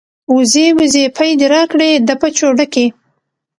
ـ وزې وزې پۍ دې راکړې د پچو ډکې.